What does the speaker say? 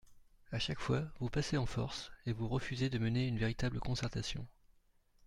À chaque fois, vous passez en force, et vous refusez de mener une véritable concertation.